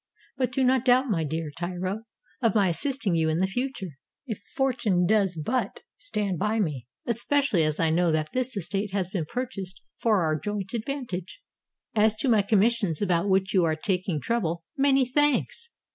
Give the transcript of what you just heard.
But do not doubt, my dear Tiro, of my assisting you in the future, if fortvme does but stand by me; especially as I know that this estate has been purchased for our joint advantage. 404 LETTER OF A ROMAN UNIVERSITY STUDENT As to my commissions about which you are taking trou ble — many thanks!